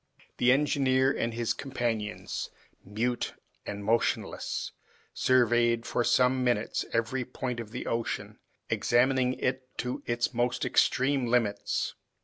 The engineer and his companions, mute and motionless, surveyed for some minutes every point of the ocean, examining it to its most extreme limits.